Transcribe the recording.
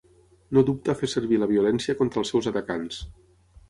No dubta a fer servir la violència contra els seus atacants.